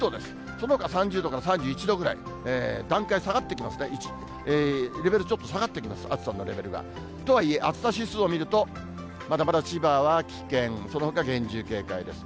そのほかは３０度から３１度ぐらい、段階下がってきますね、レベルちょっと下がってきます、暑さのレベルが。とはいえ暑さ指数を見ると、まだまだ千葉は危険、そのほか厳重警戒です。